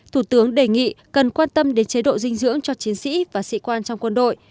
thủ tướng đề nghị cần quan tâm đến chế độ dinh dưỡng cho chiến sĩ và sĩ quan trong quân đội